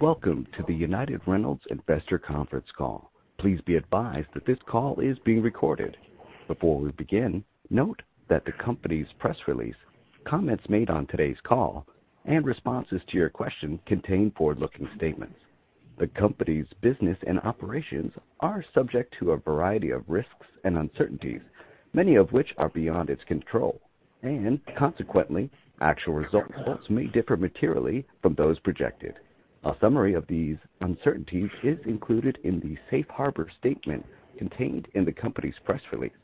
Welcome to the United Rentals investor conference call. Please be advised that this call is being recorded. Before we begin, note that the company's press release, comments made on today's call, and responses to your questions contain forward-looking statements. The company's business and operations are subject to a variety of risks and uncertainties, many of which are beyond its control, and consequently, actual results may differ materially from those projected. A summary of these uncertainties is included in the safe harbor statement contained in the company's press release.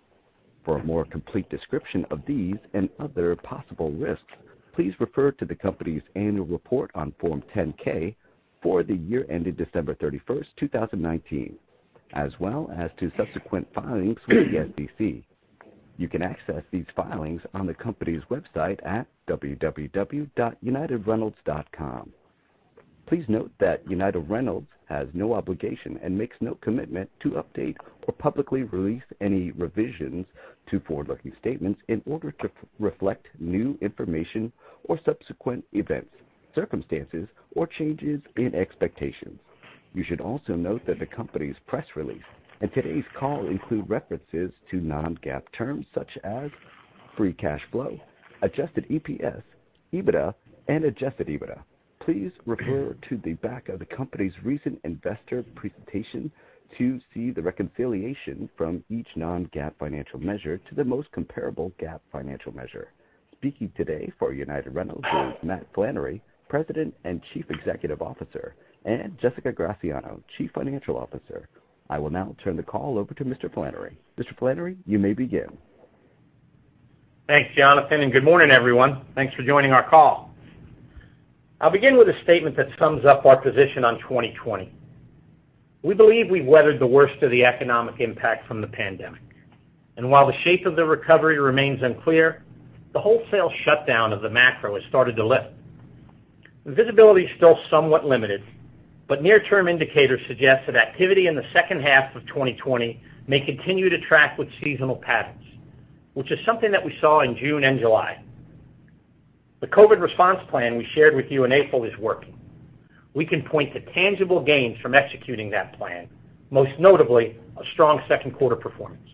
For a more complete description of these and other possible risks, please refer to the company's annual report on Form 10-K for the year ended December 31st, 2019, as well as to subsequent filings with the SEC. You can access these filings on the company's website at www.unitedrentals.com. Please note that United Rentals has no obligation and makes no commitment to update or publicly release any revisions to forward-looking statements in order to reflect new information or subsequent events, circumstances, or changes in expectations. You should also note that the company's press release and today's call include references to non-GAAP terms such as free cash flow, adjusted EPS, EBITDA, and adjusted EBITDA. Please refer to the back of the company's recent investor presentation to see the reconciliation from each non-GAAP financial measure to the most comparable GAAP financial measure. Speaking today for United Rentals are Matt Flannery, President and Chief Executive Officer, and Jessica Graziano, Chief Financial Officer. I will now turn the call over to Mr. Flannery. Mr. Flannery, you may begin. Thanks, Jonathan, good morning, everyone. Thanks for joining our call. I'll begin with a statement that sums up our position on 2020. We believe we've weathered the worst of the economic impact from the pandemic, and while the shape of the recovery remains unclear, the wholesale shutdown of the macroeconomy has started to lift. The visibility is still somewhat limited, but near-term indicators suggest that activity in the second half of 2020 may continue to track with seasonal patterns, which is something that we saw in June and July. The COVID response plan we shared with you in April is working. We can point to tangible gains from executing that plan, most notably a strong second-quarter performance.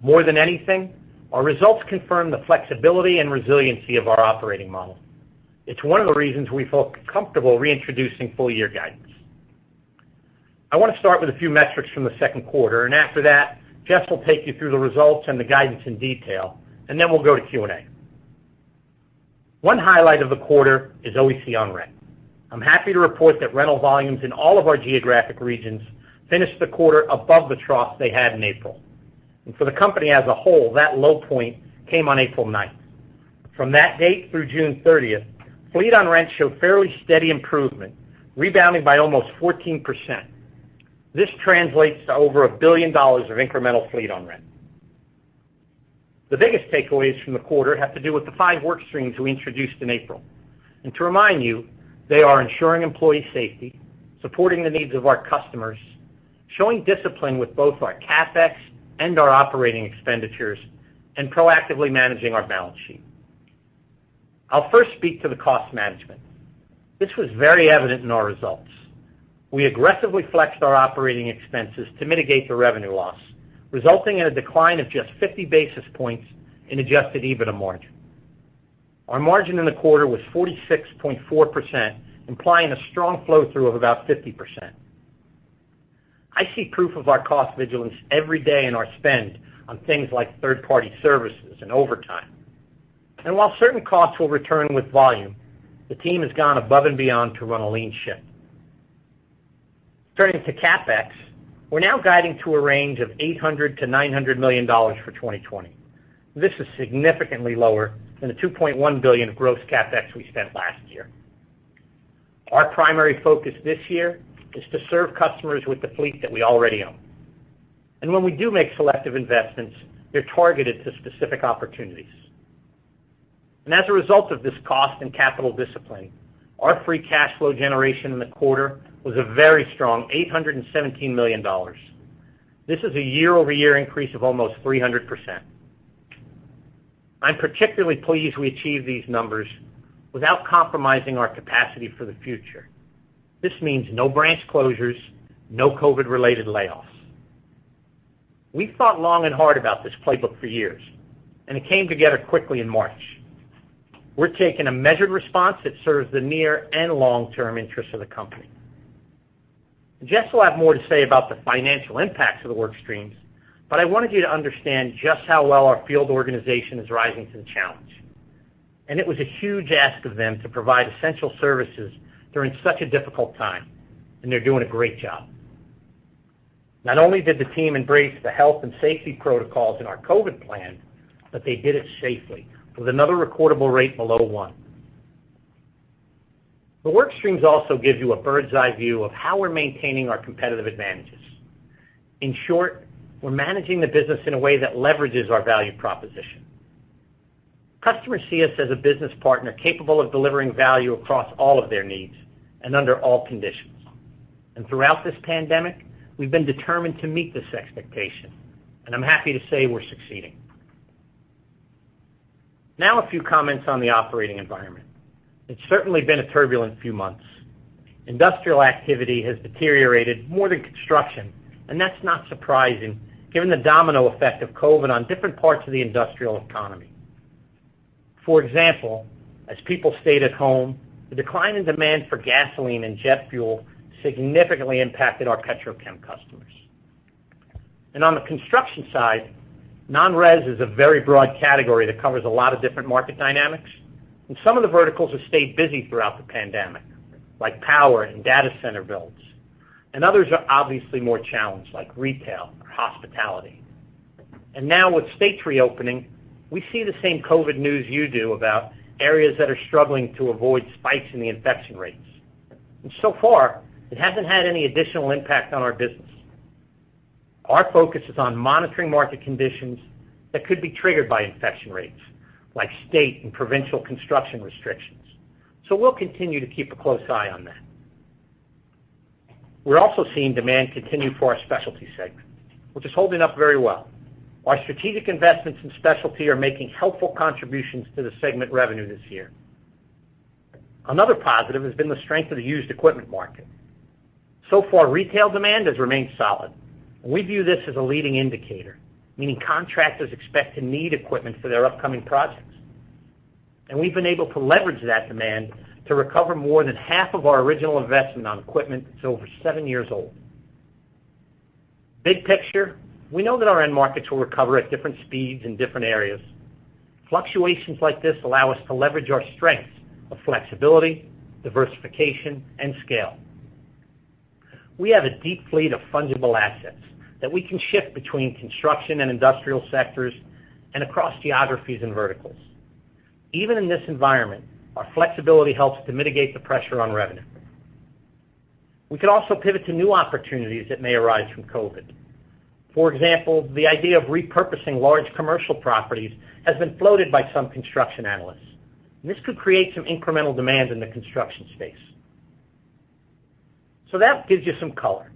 More than anything, our results confirm the flexibility and resiliency of our operating model. It's one of the reasons we felt comfortable reintroducing full-year guidance. I want to start with a few metrics from the second quarter. After that, Jess will take you through the results and the guidance in detail. Then we'll go to Q&A. One highlight of the quarter is OEC on rent. I'm happy to report that rental volumes in all of our geographic regions finished the quarter above the trough they had in April. For the company as a whole, that low point came on April 9th. From that date through June 30th, fleet on rent showed fairly steady improvement, rebounding by almost 14%. This translates to over $1 billion of incremental fleet on rent. The biggest takeaways from the quarter have to do with the five workstreams we introduced in April, and to remind you, they are ensuring employee safety, supporting the needs of our customers, showing discipline with both our CapEx and our operating expenditures, and proactively managing our balance sheet. I'll first speak to the cost management. This was very evident in our results. We aggressively flexed our operating expenses to mitigate the revenue loss, resulting in a decline of just 50 basis points in adjusted EBITDA margin. Our margin in the quarter was 46.4%, implying a strong flow-through of about 50%. I see proof of our cost vigilance every day in our spend on things like third-party services and overtime. While certain costs will return with volume, the team has gone above and beyond to run a lean ship. Turning to CapEx, we're now guiding to a range of $800 million-$900 million for 2020. This is significantly lower than the $2.1 billion of gross CapEx we spent last year. Our primary focus this year is to serve customers with the fleet that we already own. When we do make selective investments, they're targeted to specific opportunities. As a result of this cost and capital discipline, our free cash flow generation in the quarter was a very strong $817 million. This is a year-over-year increase of almost 300%. I'm particularly pleased we achieved these numbers without compromising our capacity for the future. This means no branch closures, no COVID-related layoffs. We thought long and hard about this playbook for years; it came together quickly in March. We're taking a measured response that serves the near and long-term interests of the company. Jess will have more to say about the financial impacts of the workstreams. I wanted you to understand just how well our field organization is rising to the challenge. It was a huge ask of them to provide essential services during such a difficult time, and they're doing a great job. Not only did the team embrace the health and safety protocols in our COVID plan, but they also did it safely with another recordable rate below one. The workstreams also give you a bird's-eye view of how we're maintaining our competitive advantages. In short, we're managing the business in a way that leverages our value proposition. Customers see us as a business partner capable of delivering value across all of their needs and under all conditions. Throughout this pandemic, we've been determined to meet this expectation, and I'm happy to say we're succeeding. A few comments on the operating environment. It's certainly been a turbulent few months. Industrial activity has deteriorated more than construction. That's not surprising given the domino effect of COVID-19 on different parts of the industrial economy. For example, as people stayed at home, the decline in demand for gasoline and jet fuel significantly impacted our petrochem customers. On the construction side, non-res is a very broad category that covers a lot of different market dynamics, and some of the verticals have stayed busy throughout the pandemic, like power and data center builds, and others are obviously more challenged, like retail or hospitality. Now with states reopening, we see the same COVID-19 news you do about areas that are struggling to avoid spikes in the infection rates. So far, it hasn't had any additional impact on our business. Our focus is on monitoring market conditions that could be triggered by infection rates, like state and provincial construction restrictions. We'll continue to keep a close eye on that. We're also seeing demand continue for our specialty segment, which is holding up very well. Our strategic investments in specialty are making helpful contributions to the segment's revenue this year. Another positive has been the strength of the used equipment market. So far, retail demand has remained solid, and we view this as a leading indicator, meaning contractors expect to need equipment for their upcoming projects. We've been able to leverage that demand to recover more than half of our original investment on equipment that's over seven years old. Big picture, we know that our end markets will recover at different speeds in different areas. Fluctuations like this allow us to leverage our strengths of flexibility, diversification, and scale. We have a deep fleet of fungible assets that we can shift between construction and industrial sectors and across geographies and verticals. Even in this environment, our flexibility helps to mitigate the pressure on revenue. We could also pivot to new opportunities that may arise from COVID. For example, the idea of repurposing large commercial properties has been floated by some construction analysts, and this could create some incremental demand in the construction space. That gives you some color.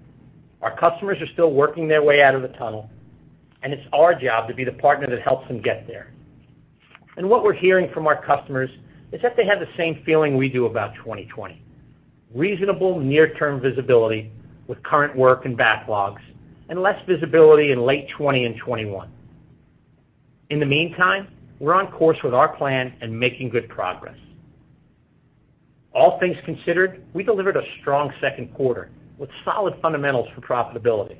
Our customers are still working their way out of the tunnel, and it's our job to be the partner that helps them get there. What we're hearing from our customers is that they have the same feeling we do about 2020, reasonable near-term visibility with current work and backlogs, and less visibility in late 2020 and 2021. In the meantime, we're on course with our plan and making good progress. All things considered, we delivered a strong second quarter with solid fundamentals for profitability.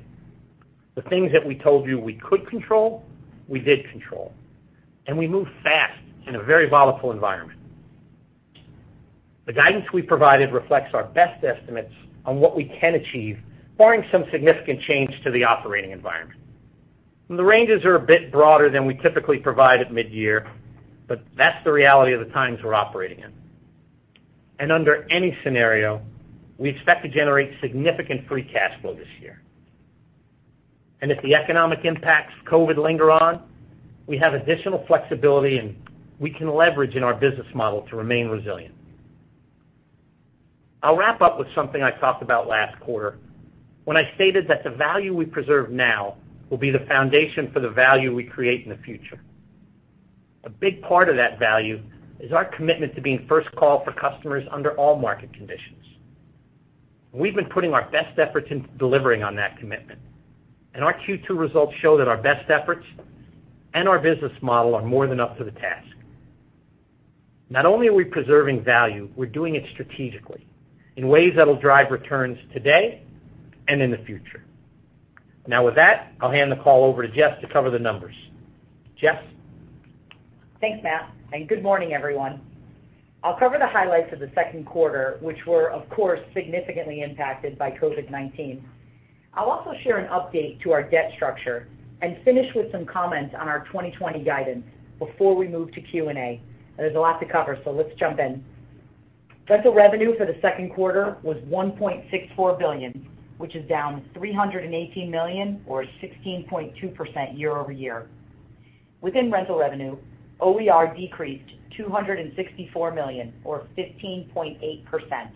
The things that we told you we could control, we did control, and we moved fast in a very volatile environment. The guidance we provided reflects our best estimates on what we can achieve barring some significant change to the operating environment. The ranges are a bit broader than we typically provide at mid-year, but that's the reality of the times we're operating in. Under any scenario, we expect to generate significant free cash flow this year. If the economic impacts of COVID linger on, we have additional flexibility, and we can leverage it in our business model to remain resilient. I'll wrap up with something I talked about last quarter when I stated that the value we preserve now will be the foundation for the value we create in the future. A big part of that value is our commitment to being first call for customers under all market conditions. We've been putting our best efforts into delivering on that commitment, and our Q2 results show that our best efforts and our business model are more than up to the task. Not only are we preserving value, we're doing it strategically in ways that'll drive returns today and in the future. With that, I'll hand the call over to Jess to cover the numbers. Jess? Thanks, Matt, and good morning, everyone. I'll cover the highlights of the second quarter, which were, of course, significantly impacted by COVID-19. I'll also share an update to our debt structure and finish with some comments on our 2020 guidance before we move to Q&A. There's a lot to cover, so let's jump in. Rental revenue for the second quarter was $1.64 billion, which is down $318 million or 16.2% year-over-year. Within rental revenue, OER decreased $264 million or 15.8%.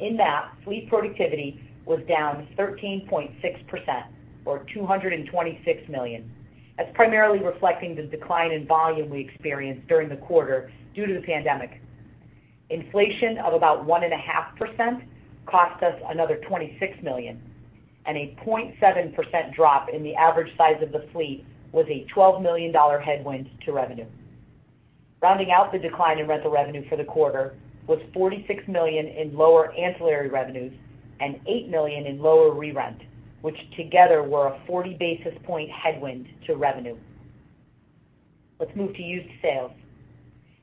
In that, fleet productivity was down 13.6%, or $226 million. That's primarily reflecting the decline in volume we experienced during the quarter due to the pandemic. Inflation of about 1.5% cost us another $26 million, and a 0.7% drop in the average size of the fleet was a $12 million headwind to revenue. Rounding out the decline in rental revenue for the quarter were $46 million in lower ancillary revenues and $8 million in lower re-rent, which together were a 40-basis point headwind to revenue. Let's move to used sales.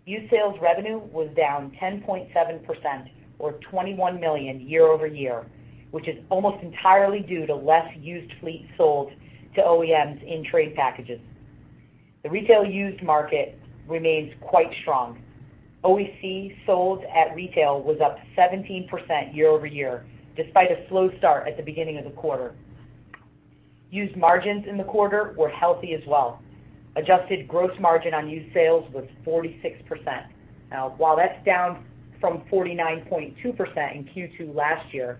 Used sales revenue was down 10.7%, or $21 million, year-over-year, which is almost entirely due to less used fleets sold to OEMs in trade packages. The retail used market remains quite strong. OEC sold at retail was up 17% year-over-year, despite a slow start at the beginning of the quarter. Used margins in the quarter were healthy as well. Adjusted gross margin on used sales was 46%. Now, while that's down from 49.2% in Q2 last year,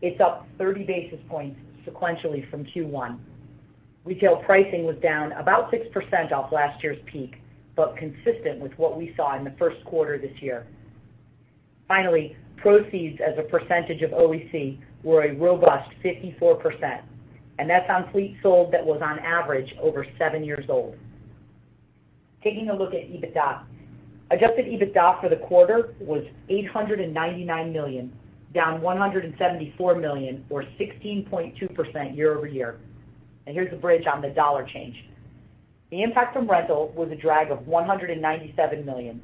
it's up 30 basis points sequentially from Q1. Retail pricing was down about 6% off last year's peak, but consistent with what we saw in the first quarter this year. Finally, proceeds as a percentage of OEC were a robust 54%, and that's on a fleet sold that was on average over seven years old. Taking a look at EBITDA. Adjusted EBITDA for the quarter was $899 million, down $174 million or 16.2% year-over-year. Here's the bridge on the dollar change. The impact from rentals was a drag of $197 million.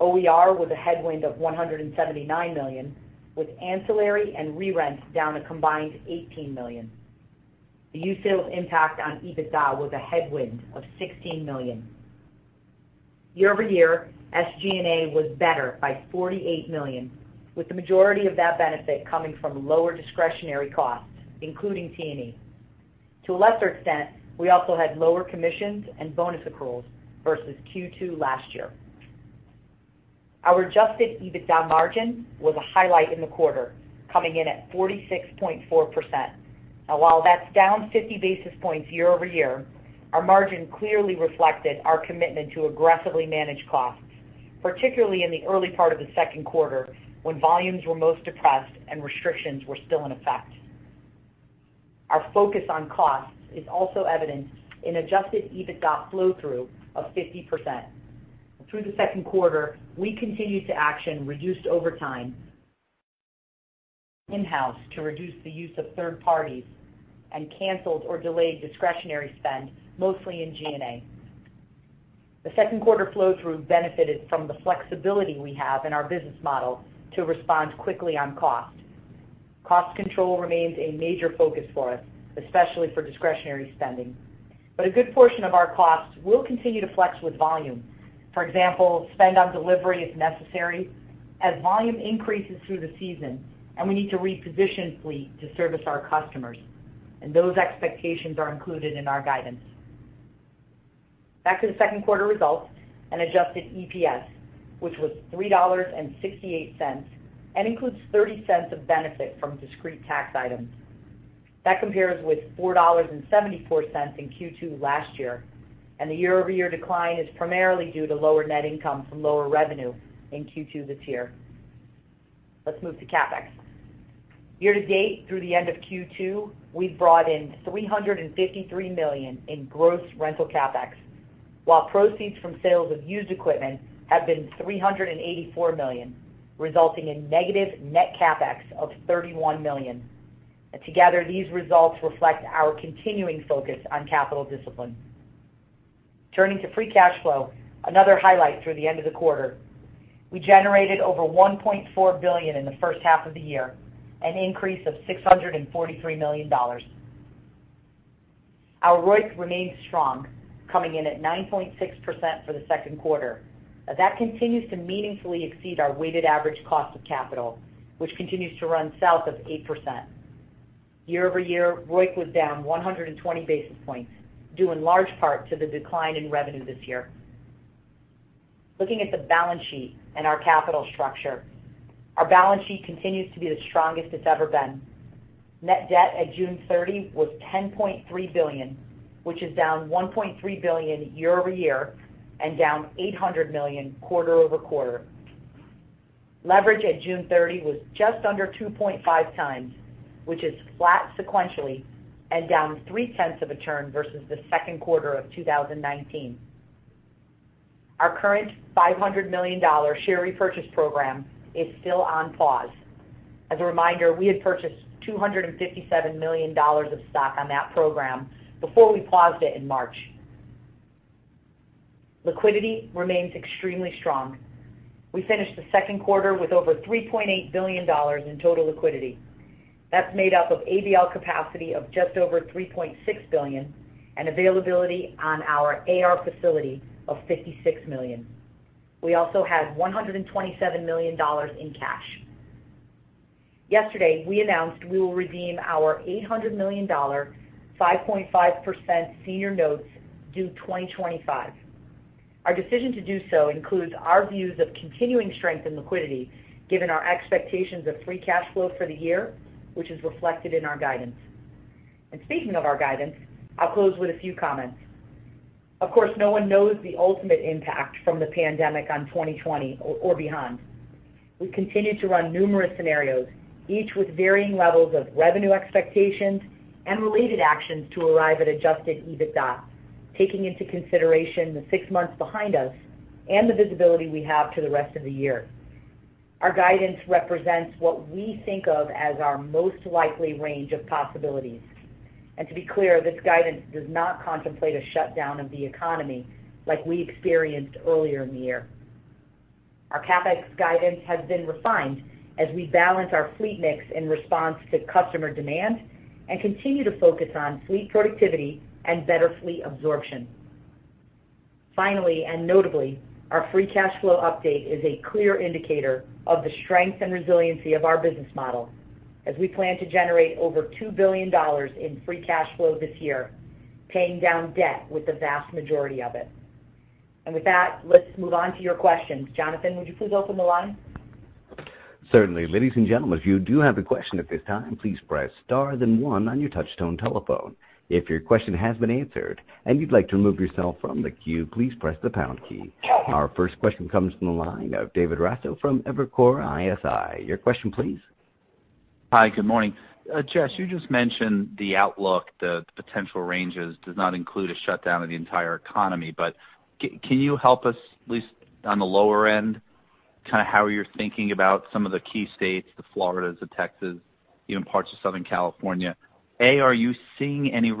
OER was a headwind of $179 million, with ancillary and re-rents down a combined $18 million. The used sales impact on EBITDA was a headwind of $16 million. Year-over-year, SG&A was better by $48 million, with the majority of that benefit coming from lower discretionary costs, including T&E. To a lesser extent, we also had lower commissions and bonus accruals versus Q2 last year. Our adjusted EBITDA margin was a highlight in the quarter, coming in at 46.4%. Now while that's down 50 basis points year-over-year, our margin clearly reflected our commitment to aggressively manage costs, particularly in the early part of the second quarter when volumes were most depressed and restrictions were still in effect. Our focus on costs is also evident in adjusted EBITDA flow-through of 50%. Through the second quarter, we continued to action reduced overtime in-house to reduce the use of third parties and canceled or delayed discretionary spend, mostly in G&A. The second quarter flow-through benefited from the flexibility we have in our business model to respond quickly on cost. Cost control remains a major focus for us, especially for discretionary spending. But a good portion of our costs will continue to flex with volume. For example, spend on delivery if necessary as volume increases through the season and we need to reposition the fleet to service our customers. Those expectations are included in our guidance. Back to the second quarter results and adjusted EPS, which was $3.68 and includes $0.30 of benefit from discrete tax items. That compares with $4.74 in Q2 last year, and the year-over-year decline is primarily due to lower net income from lower revenue in Q2 this year. Let's move to CapEx. Year-to-date through the end of Q2, we've brought in $353 million in gross rental CapEx, while proceeds from sales of used equipment have been $384 million, resulting in negative net CapEx of $31 million. Together, these results reflect our continuing focus on capital discipline. Turning to free cash flow, another highlight through the end of the quarter. We generated over $1.4 billion in the first half of the year, an increase of $643 million. Our ROIC remains strong, coming in at 9.6% for the second quarter. That continues to meaningfully exceed our weighted average cost of capital, which continues to run south of 8%. Year-over-year, ROIC was down 120 basis points, due in large part to the decline in revenue this year. Looking at the balance sheet and our capital structure. Our balance sheet continues to be the strongest it's ever been. Net debt at June 30 was $10.3 billion, which is down $1.3 billion year-over-year and down $800 million quarter-over-quarter. Leverage at June 30 was just under 2.5x, which is flat sequentially and down three-tenths of a turn versus the second quarter of 2019. Our current $500 million share repurchase program is still on pause. As a reminder, we had purchased $257 million of stock on that program before we paused it in March. Liquidity remains extremely strong. We finished the second quarter with over $3.8 billion in total liquidity. That's made up of ABL capacity of just over $3.6 billion and availability on our AR facility of $56 million. We also had $127 million in cash. Yesterday, we announced we will redeem our $800 million, 5.5% senior notes due in 2025. Our decision to do so includes our views of continuing strength and liquidity given our expectations of free cash flow for the year, which is reflected in our guidance. Speaking of our guidance, I'll close with a few comments. Of course, no one knows the ultimate impact of the pandemic on 2020 or beyond. We continue to run numerous scenarios, each with varying levels of revenue expectations and related actions to arrive at adjusted EBITDA, taking into consideration the six months behind us and the visibility we have to the rest of the year. Our guidance represents what we think of as our most likely range of possibilities. To be clear, this guidance does not contemplate a shutdown of the economy like we experienced earlier in the year. Our CapEx guidance has been refined as we balance our fleet mix in response to customer demand and continue to focus on fleet productivity and better fleet absorption. Finally, and notably, our free cash flow update is a clear indicator of the strength and resiliency of our business model as we plan to generate over $2 billion in free cash flow this year, paying down debt with the vast majority of it. With that, let's move on to your questions. Jonathan, would you please open the line? Certainly. Ladies and gentlemen, if you do have a question at this time, please press star, then one, on your touchtone telephone. If your question has been answered and you'd like to remove yourself from the queue, please press the pound key. Our first question comes from the line of David Raso from Evercore ISI. Your question, please. Hi, good morning. Jess, you just mentioned the outlook; the potential ranges does not include a shutdown of the entire economy. Can you help us, at least on the lower end, with how you're thinking about some of the key states, the Floridas, the Texas, and even parts of Southern California? Are you seeing any negative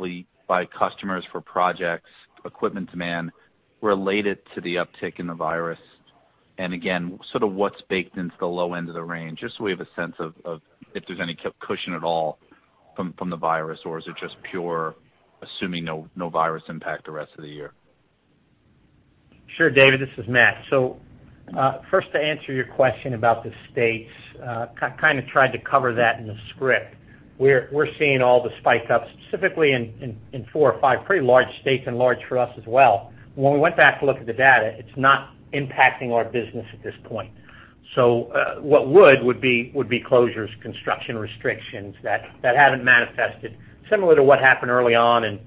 reactions from customers for projects or equipment demand related to the uptick in the virus? Again, what's baked into the low end of the range? Just so we have a sense of if there's any cushion at all from the virus, or are we just purely assuming no virus will impact the rest of the year? Sure, David, this is Matt. First, to answer your question about the states, I kind of tried to cover that in the script. We're seeing all the spikes up specifically in four or five pretty large states and large for us as well. When we went back to look at the data, it was not impacting our business at this point. What would be closures and construction restrictions that haven't manifested, similar to what happened early on in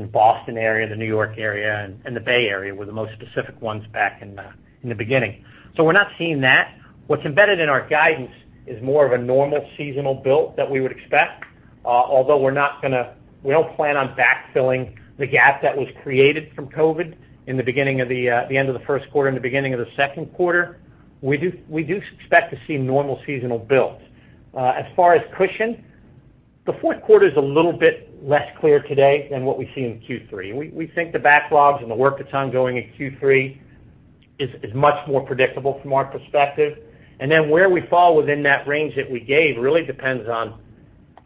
the Boston area and the N.Y. Area, and the Bay Area, were the most specific ones back in the beginning. We're not seeing that. What's embedded in our guidance is more of a normal seasonal build that we would expect. Although we don't plan on backfilling the gap that was created from COVID at the end of the first quarter and the beginning of the second quarter. We do expect to see normal seasonal builds. As far as cushion, the fourth quarter's a little bit less clear today than what we saw in Q3. We think the backlogs and the work that's ongoing in Q3 is much more predictable from our perspective. Where we fall within that range that we gave really depends on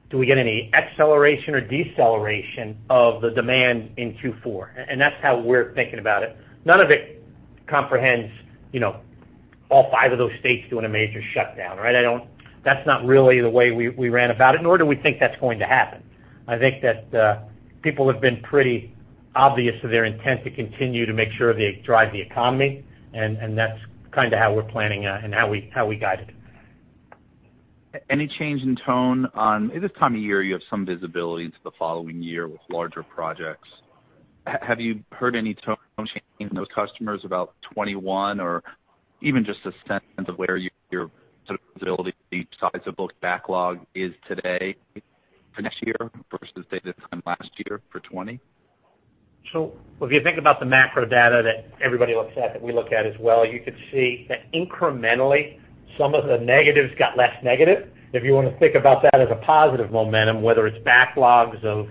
whether we get any acceleration or deceleration of the demand in Q4. That's how we're thinking about it. None of it comprehends all five of those states doing a major shutdown. That's not really the way we ran about it, nor do we think that's going to happen. I think that people have been pretty obvious of their intent to continue to make sure they drive the economy, and that's kind of how we're planning and how we guide it. Any change in tone? At this time of year, you have some visibility into the following year with larger projects. Have you heard any tone change in those customers about 2021 or even just a sense of where your sort of visibility to the size of both backlogs is today for next year versus the same time last year for 2020? If you think about the macro data that everybody looks at, that we look at as well, you could see that incrementally, some of the negatives got less negative. If you want to think about that as positive momentum, whether it's backlogs of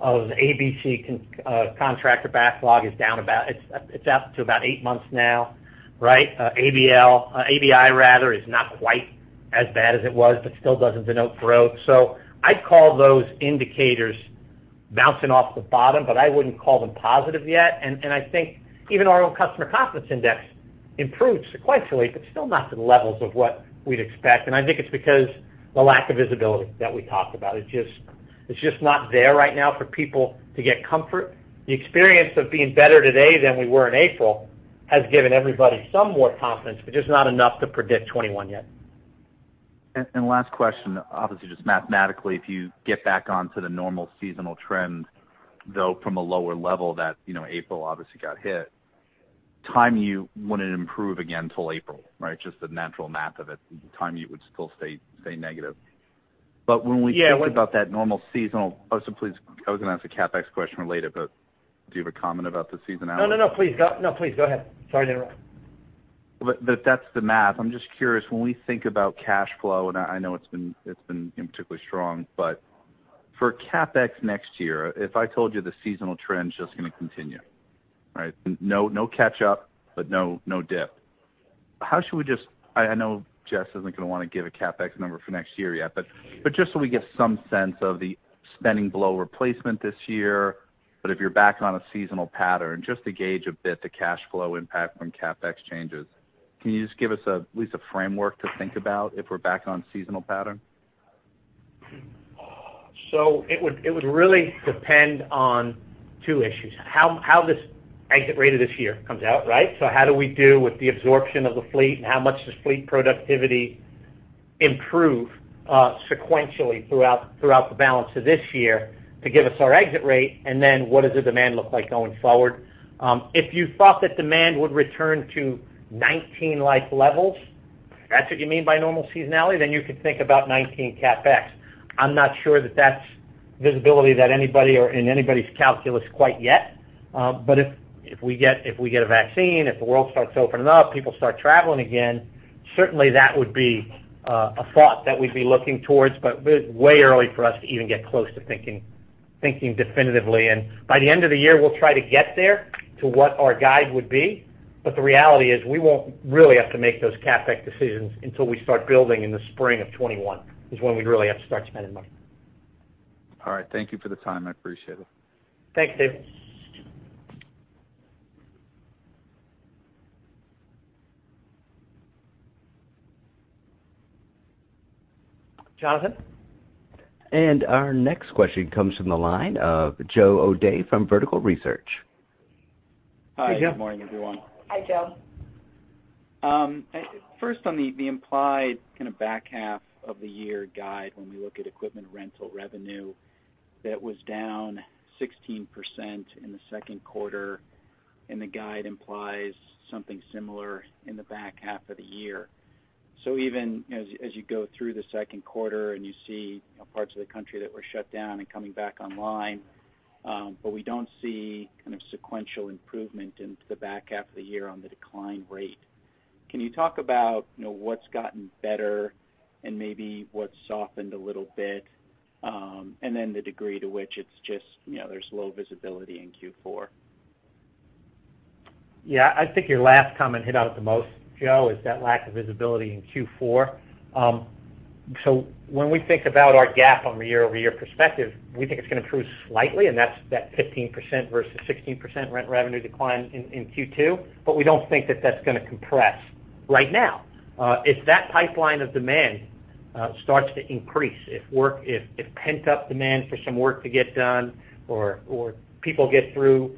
ABC contractors, the backlog is down about-- it's up to about eight months now. ABI is not quite as bad as it was, but it still doesn't denote growth. I'd call those indicators bouncing off the bottom, but I wouldn't call them positive yet. I think even our own customer confidence index improved sequentially, but still not to the levels of what we'd expect. I think it's because of the lack of visibility that we talked about. It's just not there right now for people to get comfort. The experience of being better today than we were in April has given everybody some more confidence, but just not enough to predict 2021 yet. Last question, obviously just mathematically, if you get back onto the normal seasonal trend, though from a lower level that April obviously got hit. Time you wouldn't improve again till April, right? Just the natural math of it. Time, you would still stay negative. Yeah. Please, I was going to ask a CapEx-related question, but do you have a comment about the seasonality? No, please. Go ahead. Sorry to interrupt. That's the math. I'm just curious, when we think about cash flow, and I know it's been particularly strong, but for CapEx next year, if I told you the seasonal trend's just going to continue. No catch-up, but no dip. How should we I know Jess isn't going to want to give a CapEx number for next year yet, but just so we get some sense of the spending below replacement this year? If you're back on a seasonal pattern, just to gauge a bit the cash flow impact from CapEx changes. Can you just give us at least a framework to think about if we're back on a seasonal pattern? It would really depend on two issues. How this exit rate of this year comes out. How do we do with the absorption of the fleet, and how much does fleet productivity improve sequentially throughout the balance of this year to give us our exit rate, and then what does the demand look like going forward? If you thought that demand would return to 2019-like levels, if that's what you mean by normal seasonality, then you could think about 2019 CapEx. I'm not sure that that's a visibility that anybody or anybody's calculus has quite yet. If we get a vaccine and the world starts opening up and people start traveling again, certainly that would be a thought that we'd be looking towards. Way early for us to even get close to thinking definitively. By the end of the year, we'll try to get there to where our guide would be. The reality is, we won't really have to make those CapEx decisions until we start building in the spring of 2021; that's when we'd really have to start spending money. All right. Thank you for the time; I appreciate it. Thanks, David. Jonathan? Our next question comes from the line of Joe O'Dea from Vertical Research. Hey, Joe. Hi, good morning, everyone. Hi, Joe. First, on the implied kind of back half of the year guide, when we look at equipment rental revenue, that was down 16% in the second quarter, and the guide implies something similar in the back half of the year. Even as you go through the second quarter, you see parts of the country that were shut down coming back online. We don't see sequential improvement into the back half of the year on the decline rate. Can you talk about what's gotten better and maybe what's softened a little bit? Then the degree to which it's just there's low visibility in Q4. Yeah. I think your last comment hit on it the most, Joe, which is that lack of visibility in Q4. When we think about our GAAP on the year-over-year perspective, we think it's going to improve slightly, and that's with that 15% versus 16% rent revenue decline in Q2. We don't think that that's going to compress right now. If that pipeline of demand starts to increase, if pent-up demand for some work to get done or people get through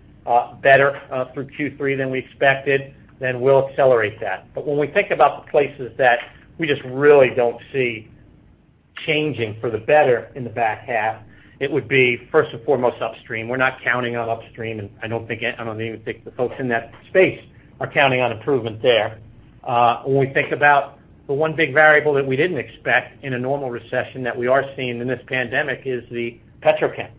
better in Q3 than we expected, then we'll accelerate that. When we think about the places that we just really don't see changing for the better in the back half, it would be first and foremost upstream. We're not counting on upstream, and I don't even think the folks in that space are counting on improvement there. When we think about the one big variable that we didn't expect in a normal recession that we are seeing in this pandemic, it is the petrochem.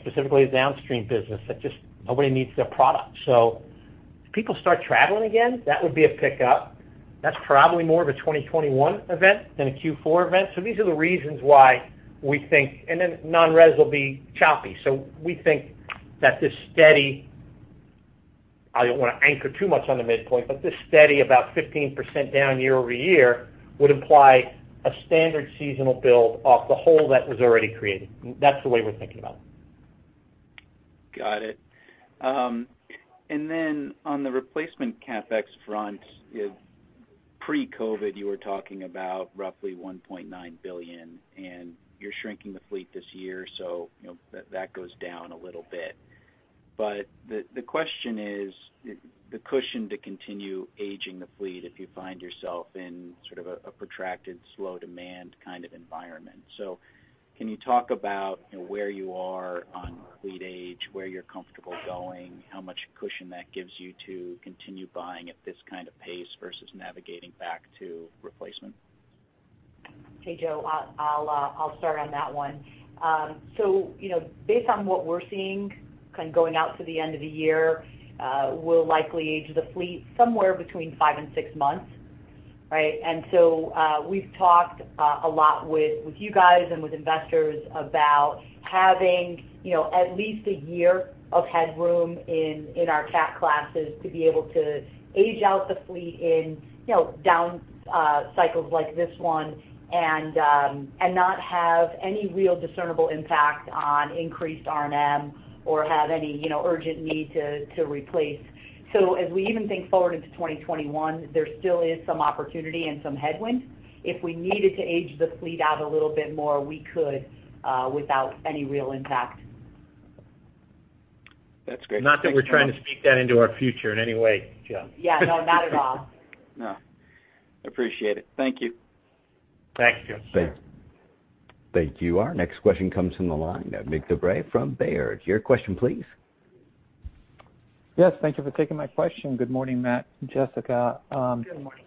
Specifically, the downstream business, where just nobody needs their product. If people start traveling again, that would be a pickup. That's probably more of a 2021 event than a Q4 event. These are the reasons why we think. And then non-res will be choppy. We think that this steady—I don't want to anchor too much on the midpoint, but this steady 15% down year-over-year would imply a standard seasonal build-off of the hole that was already created. That's the way we're thinking about it. Got it. On the replacement CapEx front, pre-COVID you were talking about roughly $1.9 billion, and you're shrinking the fleet this year, so that goes down a little bit. The question is the cushion to continue aging the fleet if you find yourself in sort of a protracted slow demand kind of environment? Can you talk about where you are on fleet age, where you're comfortable going, and how much cushion that gives you to continue buying at this kind of pace versus navigating back to replacement? Joe, I'll start on that one. Based on what we're seeing kind of going out to the end of the year, we'll likely age the fleet somewhere between five and six months. We've talked a lot with you guys and with investors about having at least a year of headroom in our category classes to be able to age out the fleet in down cycles like this one and not have any real discernible impact on increased R&M or have any urgent need to replace them. As we even think forward into 2021, there still is some opportunity and some headwinds. If we needed to age the fleet out a little bit more, we could without any real impact. That's great. Not that we're trying to speak that into our future in any way, Joe. Yeah. No, not at all. No. Appreciate it. Thank you. Thank you. Thank you. Our next question comes from the line of Mig Dobre from Baird. Your question, please. Yes, thank you for taking my question. Good morning, Matt and Jessica. Good morning.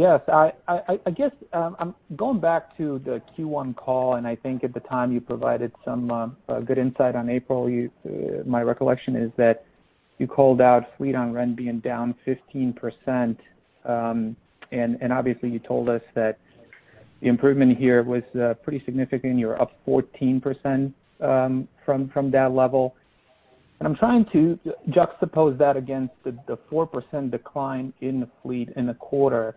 Yes. I guess I'm going back to the Q1 call, and I think at the time you provided some good insight on April. My recollection is that you called out fleet on rent being down 15%, and obviously you told us that the improvement here was pretty significant. You're up 14% from that level. I'm trying to juxtapose that against the 4% decline in the fleet in the quarter.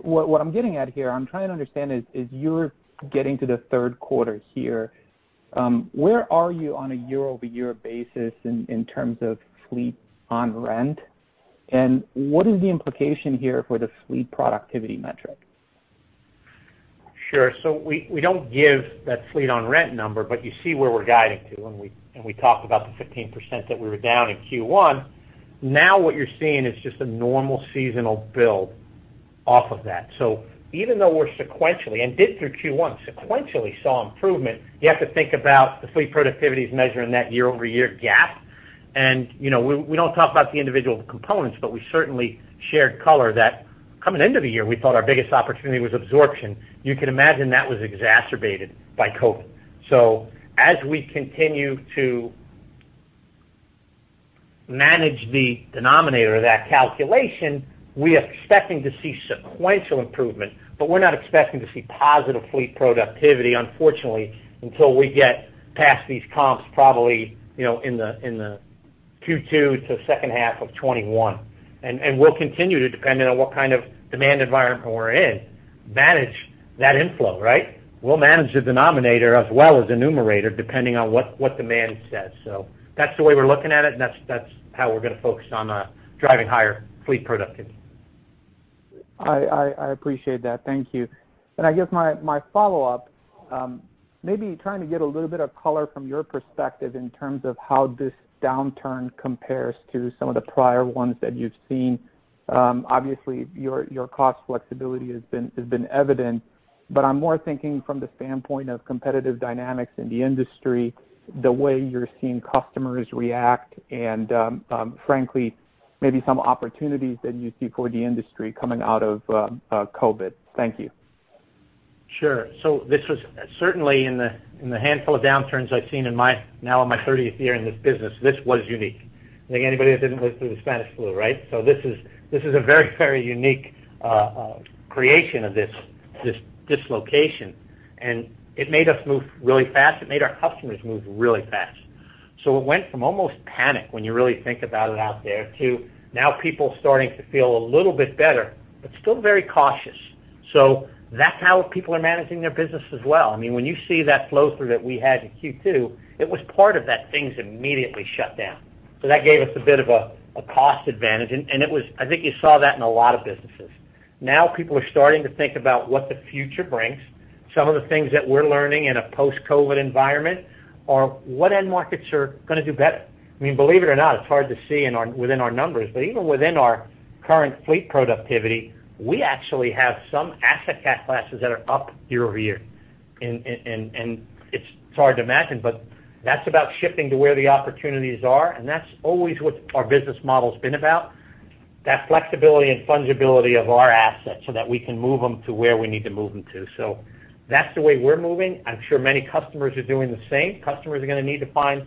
What I'm getting at here, what I'm trying to understand, is as you're getting to the third quarter here, where are you on a year-over-year basis in terms of fleet on rent? What is the implication here for the fleet productivity metric? We don't give that fleet on rent number, but you see where we're guiding to, and we talked about the 15% that we were down in Q1. What you're seeing is just a normal seasonal build off of that. Even though we're sequential and did so through Q1, sequentially we saw improvement; you have to think about how fleet productivity is measuring that year-over-year gap. We don't talk about the individual components, but we certainly shared color; coming into the year, we thought our biggest opportunity was absorption. You can imagine that was exacerbated by COVID. As we continue to manage the denominator of that calculation, we're expecting to see sequential improvement, but we're not expecting to see positive fleet productivity, unfortunately, until we get past these comps, probably in the Q2 to second half of 2021. We'll continue to, depending on what kind of demand environment we're in, manage that inflow. We'll manage the denominator as well as the numerator depending on what demand says. That's the way we're looking at it, and that's how we're going to focus on driving higher fleet productivity. I appreciate that. Thank you. I guess my follow-up, maybe trying to get a little bit of color from your perspective in terms of how this downturn compares to some of the prior ones that you've seen. Obviously, your cost flexibility has been evident, but I'm more thinking from the standpoint of competitive dynamics in the industry, the way you're seeing customers react, and frankly, maybe some opportunities that you see for the industry coming out of COVID-19. Thank you. Sure. This was certainly in the handful of downturns I've seen now in my 30th year in this business; this was unique. I don't think anybody that didn't live through the Spanish flu did, right? This is a very unique creation of this dislocation, and it made us move really fast. It made our customers move really fast. It went from almost panic, when you really think about it out there, to now people starting to feel a little bit better but still very cautious. That's how people are managing their business as well. When you see that flow-through that we had in Q2, it was part of those things immediately shutting down. That gave us a bit of a cost advantage, and I think you saw that in a lot of businesses. Now people are starting to think about what the future brings. Some of the things that we're learning in a post-COVID-19 environment are what end markets are going to do better. Believe it or not, it's hard to see within our numbers, but even within our current fleet productivity, we actually have some asset categories that are up year-over-year. It's hard to imagine, but that's about shifting to where the opportunities are, and that's always what our business model's been about. That flexibility and fungibility of our assets so that we can move them to where we need to move them to. That's the way we're moving. I'm sure many customers are doing the same. Customers are going to need to find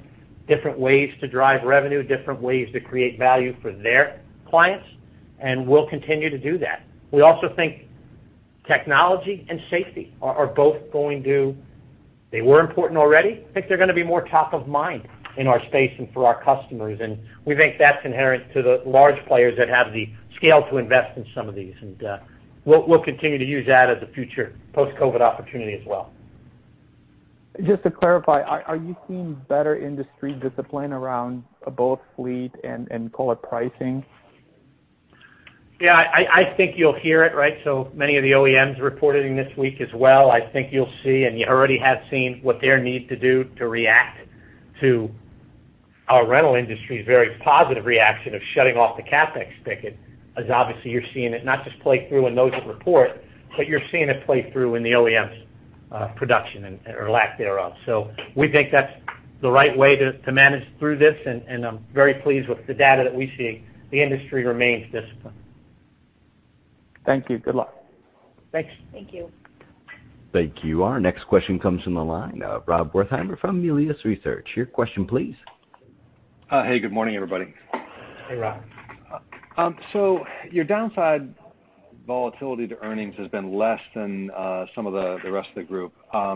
different ways to drive revenue, different ways to create value for their clients, and we'll continue to do that. We also think technology and safety are both important already. I think they're going to be more top of mind in our space and for our customers, and we think that's inherent to the large players that have the scale to invest in some of these, and we'll continue to use that as a future post-COVID-19 opportunity as well. Just to clarify, are you seeing better industry discipline around both fleet and OEM pricing? Yeah, I think you'll hear it, right? Many of the OEMs reported this week as well. I think you'll see, and you already have seen, what they need to do to react to our rental industry's very positive reaction of shutting off the CapEx spigot. Obviously you're seeing it not just play through in those that report, but you're seeing it play through in the OEM's production or lack thereof. We think that's the right way to manage through this, and I'm very pleased with the data that we see. The industry remains disciplined. Thank you. Good luck. Thanks. Thank you. Thank you. Our next question comes from the line of Rob Wertheimer from Melius Research. Your question, please. Hey, good morning, everybody. Hey, Rob. Your downside volatility to earnings has been less than some of the rest of the group. I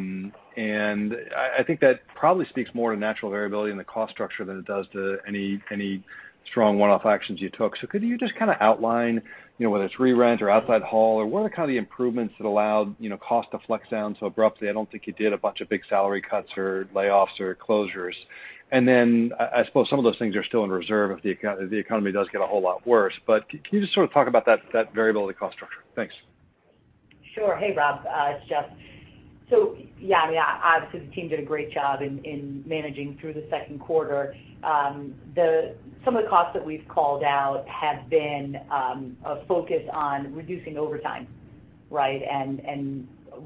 think that probably speaks more to natural variability in the cost structure than it does to any strong one-off actions you took. Could you just kind of outline whether it's re-rent or outside haul or what kind of improvements allowed costs to flex down so abruptly? I don't think you did a bunch of big salary cuts or layoffs or closures. I suppose some of those things are still in reserve if the economy does get a whole lot worse. Can you just sort of talk about that variability cost structure? Thanks. Sure. Hey, Rob. It's Jess. Yeah, obviously, the team did a great job in managing through the second quarter. Some of the costs that we've called out have been a focus on reducing overtime, right?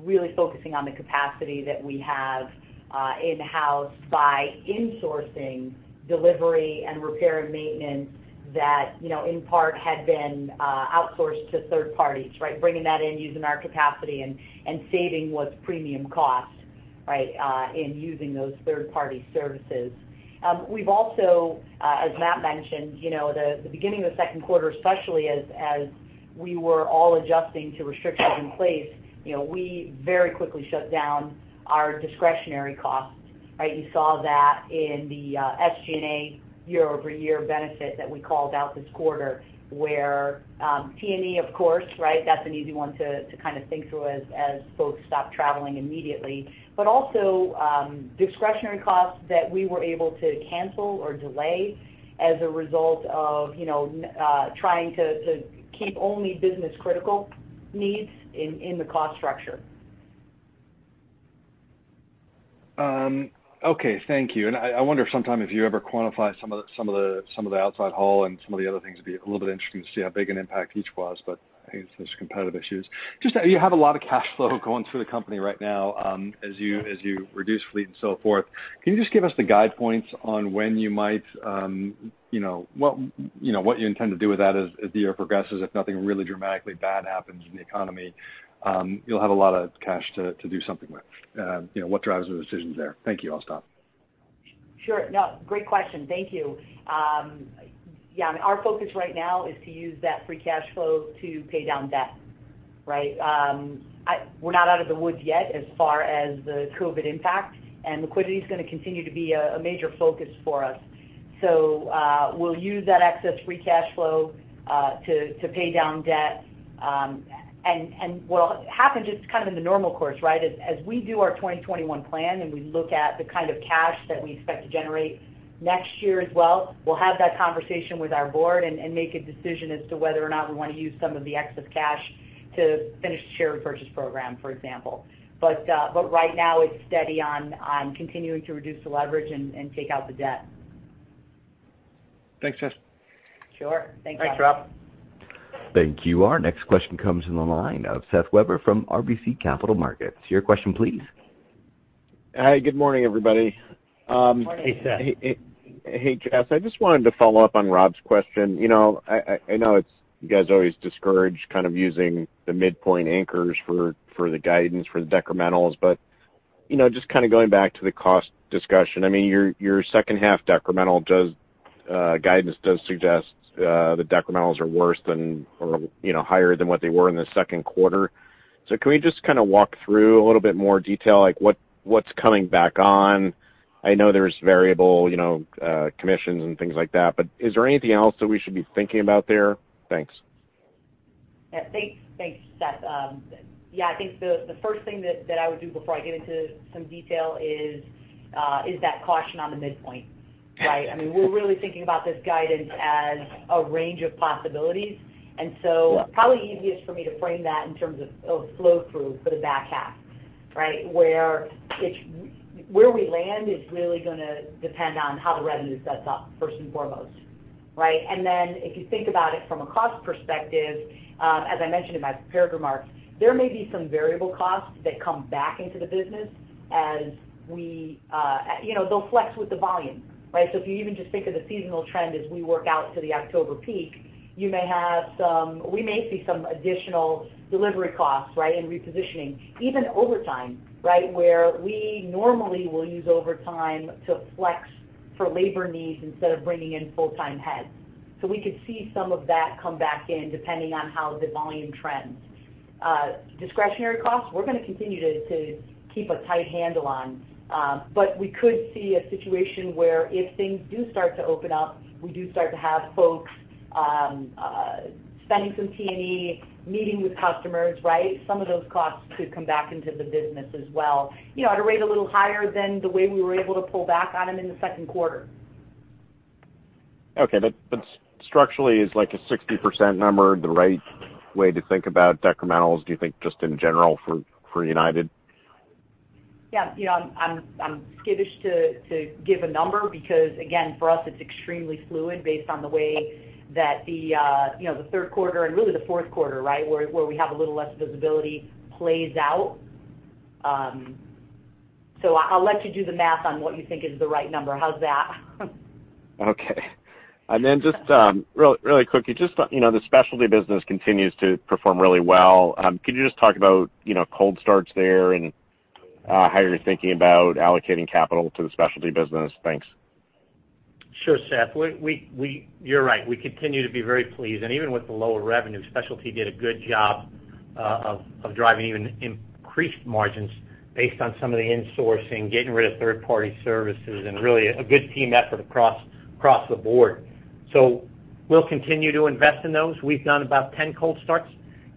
Really focusing on the capacity that we have in-house by insourcing delivery and repair and maintenance that, in part, had been outsourced to third parties, right? Bringing that in, using our capacity, and saving what's premium cost, right, in using those third-party services. We've also, as Matt mentioned, the beginning of the second quarter, especially as we were all adjusting to restrictions in place; we very quickly shut down our discretionary costs, right? You saw that in the SGA year-over-year benefit that we called out this quarter, which was T&E, of course, right? That's an easy one to kind of think through as folks stopped traveling immediately. Also, discretionary costs that we were able to cancel or delay as a result of trying to keep only business-critical needs in the cost structure. Okay. Thank you. I wonder sometimes if you ever quantify some of the outside haul and some of the other things. It'd be a little bit interesting to see how big an impact each was, but I guess there are competitive issues. Just you have a lot of cash flow going through the company right now as you reduce the fleet and so forth. Can you just give us the guide points on when you might do what you intend to do with that as the year progresses, if nothing really dramatically bad happens in the economy? You'll have a lot of cash to do something with. What drives those decisions there? Thank you. I'll stop. Sure. No, great question. Thank you. Yeah, our focus right now is to use that free cash flow to pay down debt, right? We're not out of the woods yet as far as the COVID impact, and liquidity is going to continue to be a major focus for us. We'll use that excess free cash flow to pay down debt. What happened just kind of in the normal course, right? As we do our 2021 plan and we look at the kind of cash that we expect to generate next year as well, we'll have that conversation with our board and make a decision as to whether or not we want to use some of the excess cash to finish the share repurchase program, for example. Right now, it's steady on continuing to reduce the leverage and pay off the debt. Thanks, Jess. Sure. Thanks, Rob. Thanks, Rob. Thank you. Our next question comes from the line of Seth Weber from RBC Capital Markets. Your question, please. Hi. Good morning, everybody. Morning. Hey, Seth. Hey, Jess. I just wanted to follow up on Rob's question. I know you guys always discourage kind of using the midpoint anchors for the guidance for the decrementals, but just kind of going back to the cost discussion. Your second-half decremental guidance does suggest the decrementals are worse than, or higher than, what they were in the second quarter. Can we just kind of walk through a little bit more detail, like what's coming back on? I know there's variable commissions and things like that, but is there anything else that we should be thinking about there? Thanks. Yeah. Thanks, Seth. Yeah, I think the first thing that I would do before I get into some detail is be cautious on the midpoint, right? Yeah. We're really thinking about this guidance as a range of possibilities. Probably easiest for me to frame that in terms of flow-through for the back half, right? Where we land is really going to depend on how the revenue steps up, first and foremost, right? If you think about it from a cost perspective, as I mentioned in my prepared remarks, there may be some variable costs that come back into the business. They'll flex with the volume, right? If you even just think of the seasonal trend as we work out to the October peak, you may have some; we may see some additional delivery costs, right? Repositioning, even overtime, right? Where we normally will use overtime to flex for labor needs instead of bringing in full-time help. We could see some of that come back in depending on how the volume trends. Discretionary costs, we're going to continue to keep a tight handle on. We could see a situation where if things do start to open up, we do start to have folks spending some T&E, meeting with customers, right? Some of those costs could come back into the business as well, at a rate a little higher than the way we were able to pull back on them in the second quarter. Okay. Structurally, is like a 60% number the right way to think about decrementals, do you think, just in general for United? Yeah. I'm skittish to give a number because, again, for us, it's extremely fluid based on the way that the third quarter, and really the fourth quarter, right, where we have a little less visibility, plays out. I'll let you do the math on what you think is the right number. How's that? Okay. Just really quickly, the specialty business continues to perform really well. Could you just talk about cold starts there and how you're thinking about allocating capital to the specialty business? Thanks. Sure, Seth. You're right; we continue to be very pleased, and even with the lower revenue, specialty did a good job of driving even increased margins based on some of the insourcing, getting rid of third-party services, and really a good team effort across the board. We'll continue to invest in those. We've done about 10 cold starts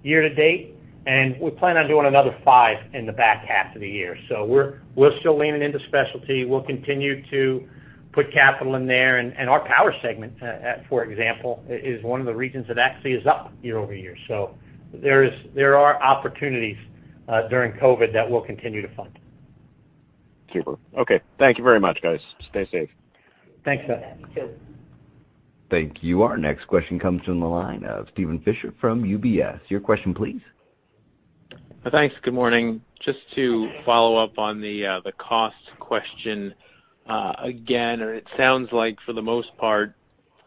year to date, and we plan on doing another five in the back half of the year. We're still leaning into specialty. We'll continue to put capital in there, and our power segment, for example, is one of the regions that actually is up year-over-year. There are opportunities during COVID that we'll continue to fund. Super. Okay. Thank you very much, guys. Stay safe. Thanks, Seth. You bet. You, too. Thank you. Our next question comes from the line of Steven Fisher from UBS. Your question, please. Thanks. Good morning. Just to follow up on the cost question. It sounds like for the most part,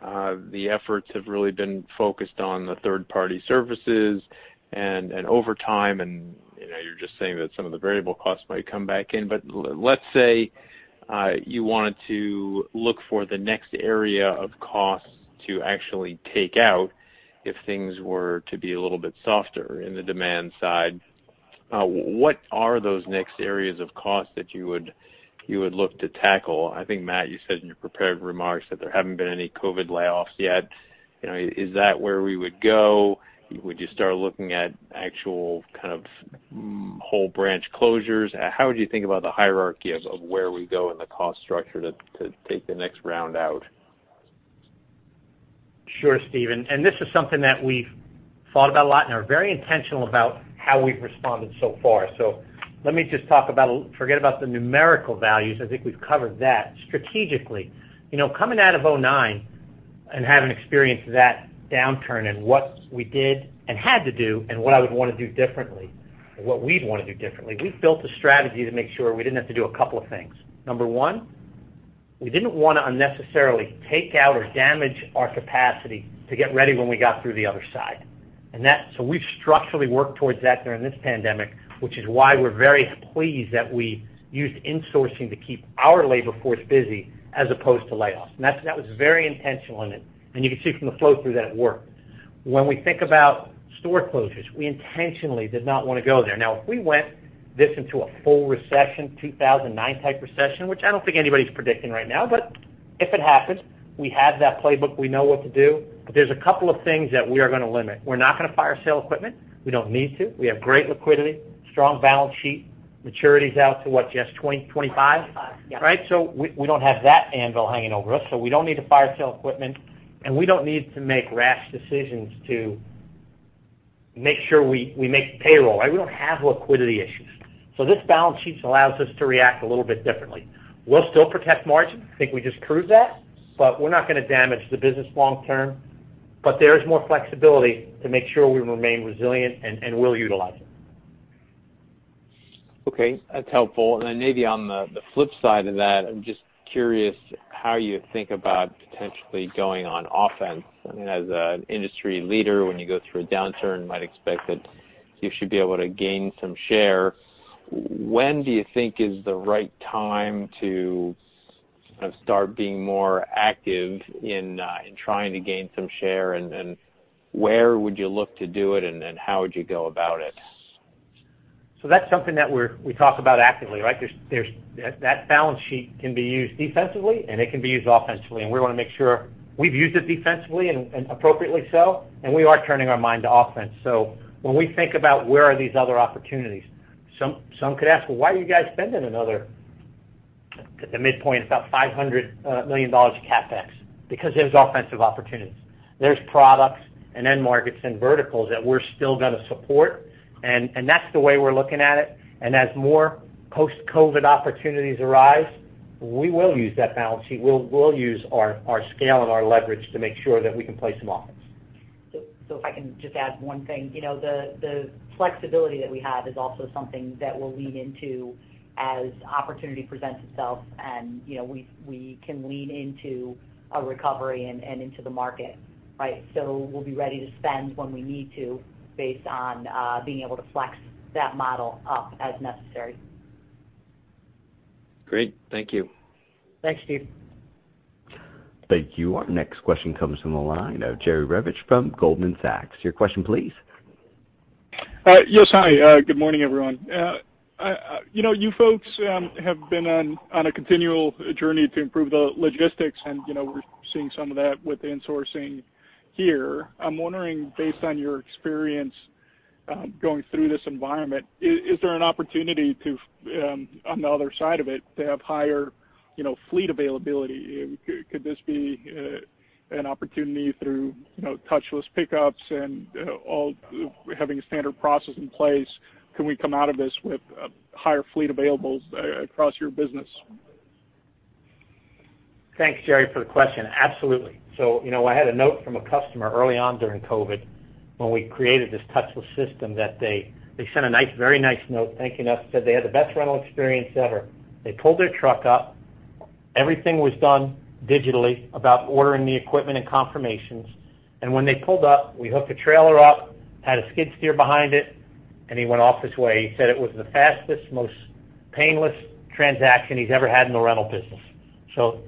the efforts have really been focused on the third-party services and overtime, and you're just saying that some of the variable costs might come back in. Let's say you wanted to look for the next area of cost to actually take out if things were to be a little bit softer on the demand side. What are those next areas of cost that you would look to tackle? I think, Matt, you said in your prepared remarks that there haven't been any COVID layoffs yet. Is that where we would go? Would you start looking at actual kinds of whole branch closures? How would you think about the hierarchy of where we go in the cost structure to take the next round out? Sure, Steven. This is something that we've thought about a lot and are very intentional about how we've responded so far. Let me just talk about it; forget about the numerical values. I think we've covered that. Strategically, coming out of 2009 and having experienced that downturn and what we did and had to do and what I would want to do differently or what we'd want to do differently. We built a strategy to make sure we didn't have to do a couple of things. Number 1, we didn't want to unnecessarily take out or damage our capacity to get ready when we got through the other side. We've structurally worked towards that during this pandemic, which is why we're very pleased that we used insourcing to keep our labor force busy as opposed to layoffs. That was very intentional, and you can see from the flow through that it worked. When we think about store closures, we intentionally did not want to go there. If we went into a full recession, a 2009 type recession, which I don't think anybody's predicting right now, but if it happens, we have that playbook. We know what to do. There are a couple of things that we are going to limit. We're not going to fire-sale equipment. We don't need to. We have great liquidity and a strong balance sheet with maturities out to what, Jess? 2025? 2025, yeah. Right. We don't have that anvil hanging over us. We don't need to fire sale equipment, and we don't need to make rash decisions to make sure we make payroll. We don't have liquidity issues. This balance sheet allows us to react a little bit differently. We'll still protect margin. I think we just proved that, but we're not going to damage the business long term. There is more flexibility to make sure we remain resilient and we'll utilize it. Okay. That's helpful. Maybe on the flip side of that, I'm just curious how you think about potentially going on offense. As an industry leader, when you go through a downturn, you might expect that you should be able to gain some share. When do you think is the right time to start being more active in trying to gain some share, and where would you look to do it, and then how would you go about it? That's something that we talk about actively, right? That balance sheet can be used defensively, and it can be used offensively, and we want to make sure we've used it defensively and appropriately so, and we are turning our minds to offense. When we think about where these other opportunities are, some could ask, Well, why are you guys spending another, at the midpoint, about $500 million of CapEx? Because there are offensive opportunities. There are products and end markets and verticals that we're still going to support, and that's the way we're looking at it. As more post-COVID opportunities arise, we will use that balance sheet. We'll use our scale and our leverage to make sure that we can play some offense. If I can just add one thing. The flexibility that we have is also something that we'll lean into as opportunity presents itself and we can lean into a recovery and into the market, right? We'll be ready to spend when we need to based on being able to flex that model up as necessary. Great. Thank you. Thanks, Steve. Thank you. Our next question comes from the line of Jerry Revich from Goldman Sachs. Your question, please. Yes, hi. Good morning, everyone. You folks have been on a continual journey to improve the logistics, and we're seeing some of that with insourcing here. I'm wondering, based on your experience going through this environment, is there an opportunity to, on the other side of it, have higher fleet availability? Could this be an opportunity through touchless pickups and having a standard process in place? Can we come out of this with higher fleet availability across your business? Thanks, Jerry, for the question. Absolutely. I had a note from a customer early on during COVID-19 when we created this touchless system; they sent a very nice note thanking us and said they had the best rental experience ever. They pulled their truck up. Everything was done digitally about ordering the equipment and confirmations. When they pulled up, we hooked a trailer up and had a skid steer behind it, and he went on his way. He said it was the fastest, most painless transaction he's ever had in the rental business.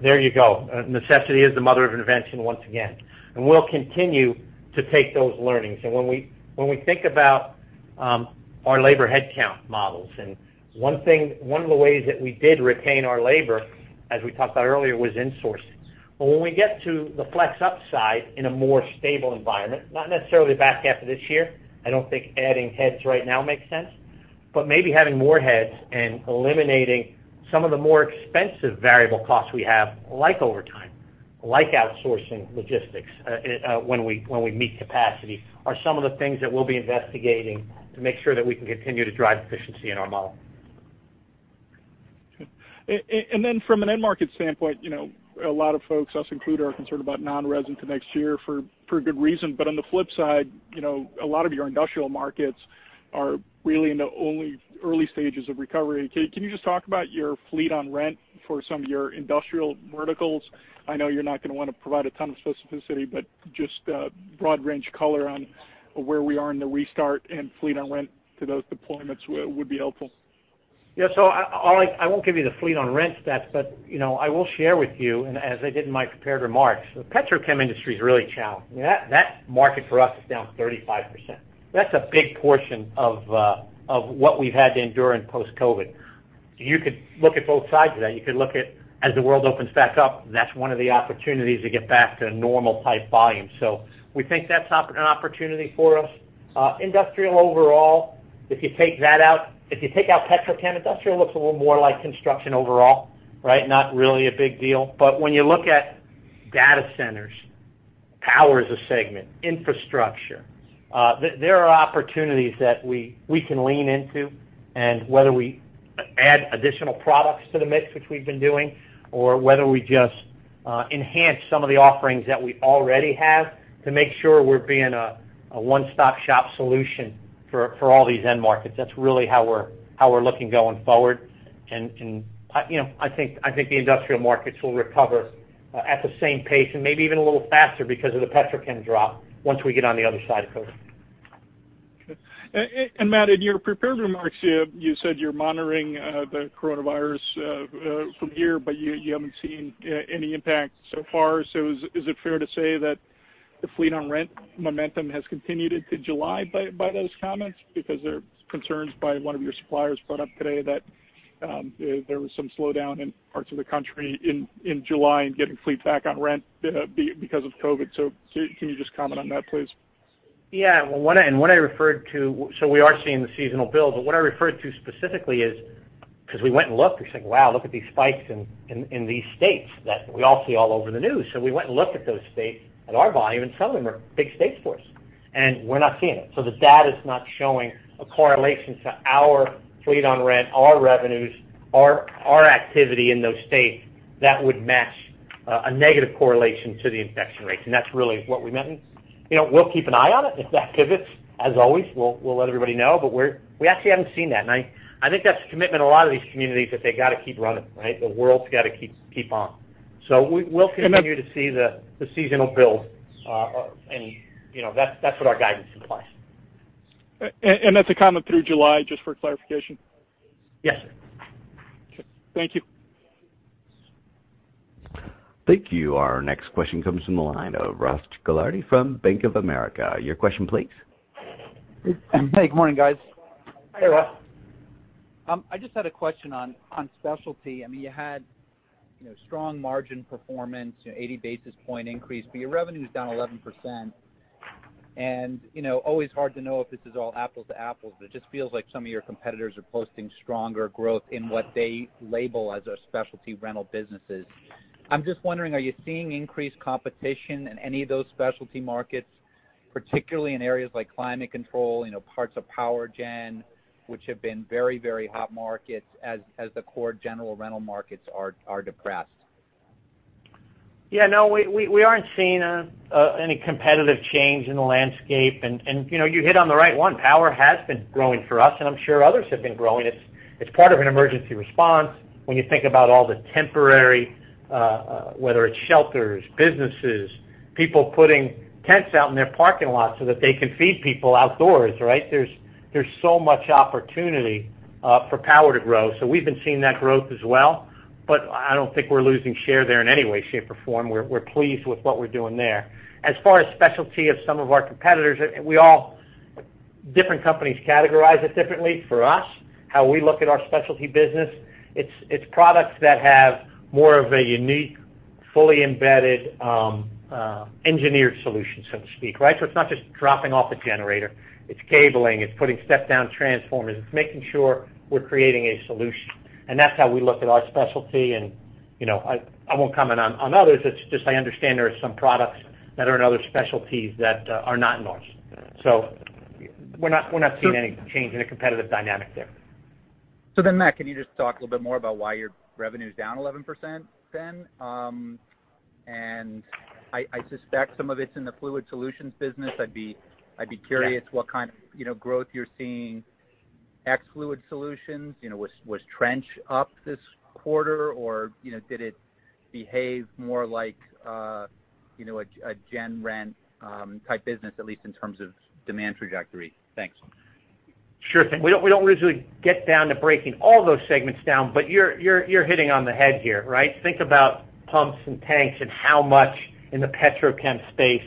There you go. Necessity is the mother of invention once again. We'll continue to take those learnings. When we think about our labor headcount models, one of the ways that we did retain our labor, as we talked about earlier, was insourcing. When we get to the flex upside in a more stable environment, not necessarily the back half of this year, I don't think adding heads right now makes sense. Maybe having more heads and eliminating some of the more expensive variable costs we have, like overtime and outsourcing logistics when we meet capacity, are some of the things that we'll be investigating to make sure that we can continue to drive efficiency in our model. From an end market standpoint, a lot of folks, us included, are concerned about non-res entering next year for good reason. On the flip side, a lot of your industrial markets are really in the early stages of recovery. Can you just talk about your fleet on rent for some of your industrial verticals? I know you're not going to want to provide a ton of specificity, but just a broad range of color on where we are in the restart and fleet on rent for those deployments would be helpful. I won't give you the fleet on rent stats; I will share them with you, and as I did in my prepared remarks, the petrochem industry is really challenged. That market for us is down 35%. That's a big portion of what we've had to endure in post-COVID. You could look at both sides of that. You could look at it as the world opens back up; that's one of the opportunities to get back to normal-type volume. We think that's an opportunity for us. Industrially overall, if you take that out, if you take out petrochem, industrial looks a little more like construction overall, right? Not really a big deal. When you look at data centers, power as a segment, and infrastructure, there are opportunities that we can lean into, whether we add additional products to the mix, which we've been doing, or whether we just enhance some of the offerings that we already have to make sure we're being a one-stop-shop solution for all these end markets. That's really how we're looking going forward. And I think the industrial markets will recover at the same pace and maybe even a little faster because of the petrochem drop once we get on the other side of COVID. Okay. Matt, in your prepared remarks, you said you're monitoring the coronavirus from here, but you haven't seen any impact so far. Is it fair to say that the fleet on rent momentum has continued into July by those comments? There are concerns by one of your suppliers brought up today that there was some slowdown in parts of the country in July in getting fleets back on rent because of COVID. Can you just comment on that, please? Yeah. We are seeing the seasonal build, but what I referred to specifically is because we went and looked; we're saying, Wow, look at these spikes in these states that we all see all over the news. We went and looked at those states, at our volume, and some of them are big states for us, and we're not seeing it. The data's not showing a correlation to our fleet on rent, our revenues, or our activity in those states that would match a negative correlation to the infection rates. That's really what we meant. We'll keep an eye on it. If that pivots, as always, we'll let everybody know. We actually haven't seen that. I think that's the commitment a lot of these communities have: that they got to keep running, right? The world's got to keep on. We'll continue to see the seasonal build. That's what our guidance implies. That's a comment through July, just for clarification? Yes, sir. Okay. Thank you. Thank you. Our next question comes from the line of Ross Gilardi from Bank of America. Your question, please. Hey, good morning, guys. Hey, Ross. I just had a question on specialties. You had strong margin performance, an 80 basis point increase. Your revenue's down 11%. Always hard to know if this is all apples to apples. It just feels like some of your competitors are posting stronger growth in what they label as their specialty rental businesses. I'm just wondering, are you seeing increased competition in any of those specialty markets, particularly in areas like climate control and parts of power gen, which have been very hot markets as the core general rental markets are depressed? Yeah, no, we aren't seeing any competitive change in the landscape. You hit on the right one. Power has been growing for us, and I'm sure others have been growing. It's part of an emergency response. When you think about all the temporary things, whether it's shelters, businesses, or people putting tents out in their parking lot so that they can feed people outdoors, right? There's so much opportunity for power to grow. We've been seeing that growth as well. I don't think we're losing share there in any way, shape, or form. We're pleased with what we're doing there. As far as the specialty of some of our competitors, different companies categorize it differently. For us, how we look at our specialty business is products that have more of a unique, fully embedded, engineered solution, so to speak, right? It's not just dropping off a generator. It's cabling; it's putting in step-down transformers. It's making sure we're creating a solution. That's how we look at our specialty, and I won't comment on others. It's just that I understand there are some products that are in other specialties that are not in ours. We're not seeing any change in the competitive dynamic there. Matt, can you just talk a little bit more about why your revenue's down 11%, then? I suspect some of it's in the fluid solutions business. I'd be curious. Yes What kind of growth are you seeing ex-fluid solutions? Was trench up this quarter, or did it behave more like a general rent-type business, at least in terms of demand trajectory? Thanks. Sure thing. We don't usually get down to breaking all those segments down. You're hitting on the head here, right? Think about pumps and tanks and how much in the petrochem space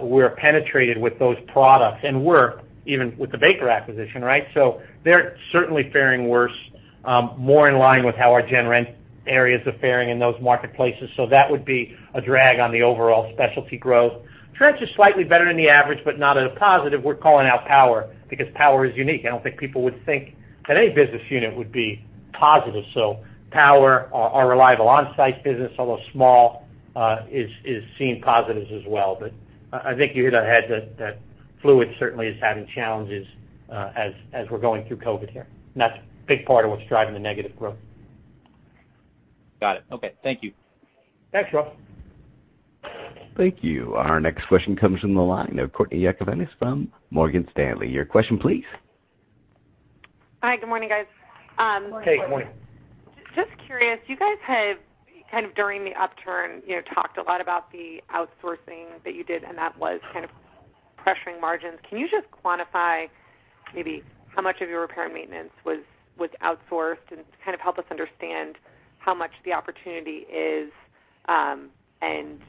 we're penetrated with those products, even with the BakerCorp acquisition, right? They're certainly faring worse, more in line with how our gen rent areas are faring in those marketplaces. That would be a drag on the overall specialty growth. Trench is slightly better than the average, not a positive. We're calling out power because power is unique. I don't think people would think that any business unit would be positive. Power, our Reliable Onsite business, although small, is seeing positives as well. I think you hit the nail on the head; fluid certainly is having challenges as we're going through COVID here, and that's a big part of what's driving the negative growth. Got it. Okay. Thank you. Thanks, Ross. Thank you. Our next question comes from the line of Courtney Yakavonis from Morgan Stanley. Your question, please. Hi. Good morning, guys. Hey, good morning. Just curious, you guys have, kind of during the upturn, talked a lot about the outsourcing that you did, and that was kind of pressuring margins. Can you just quantify maybe how much of your repair and maintenance was outsourced and kind of help us understand how much the opportunity is, and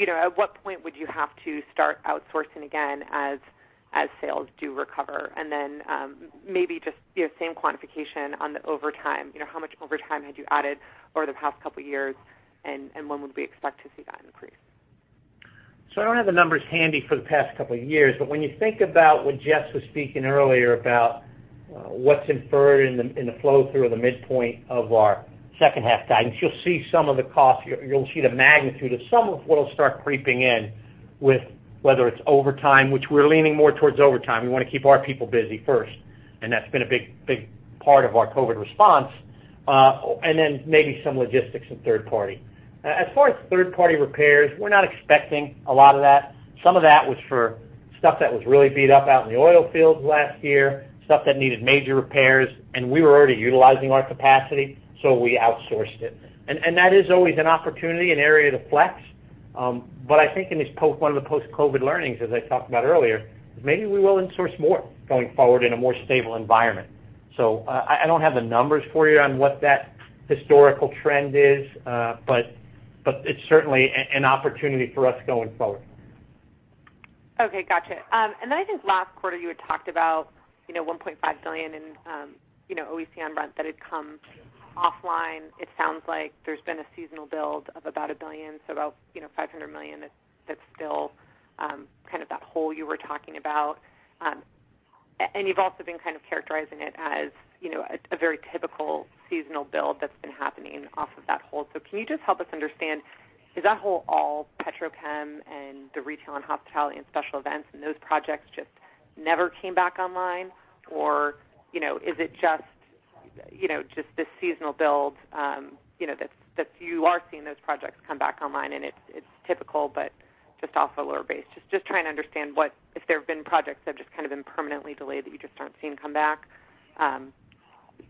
at what point would you have to start outsourcing again as sales do recover? Then, maybe just the same quantification on the overtime. How much overtime had you added over the past couple of years, and when would we expect to see that increase? I don't have the numbers handy for the past couple of years. When you think about when Jess was speaking earlier about what's implied in the flow through of the midpoint of our second-half guidance, you'll see some of the cost. You'll see the magnitude of some of what'll start creeping in with it, whether it's overtime, which we're leaning more towards overtime. We want to keep our people busy first, and that's been a big part of our COVID response. Then maybe some logistics and a third party. As far as third-party repairs, we're not expecting a lot of that. Some of that was for stuff that was really beat up out in the oil fields last year, stuff that needed major repairs, and we were already utilizing our capacity, so we outsourced it. That is always an opportunity, an area to flex. I think one of the post-COVID learnings, as I talked about earlier, is maybe we will insource more going forward in a more stable environment. So I don't have the numbers for you on what that historical trend is. It's certainly an opportunity for us going forward. Okay, gotcha. I think last quarter you had talked about $1.5 billion in OEC on rent that had come offline. It sounds like there's been a seasonal build of about $1 billion, so about $500 million is still kind of that hole you were talking about. You've also been kind of characterizing it as a very typical seasonal build that's been happening off of that hole. Can you just help us understand, is that hole all petrochem and the retail and hospitality and special events and those projects just never come back online? Is it just this seasonal build that you are seeing those projects come back online, and it's typical but just off a lower base? Just trying to understand if there have been projects that have just kind of been permanently delayed that you just aren't seeing come back,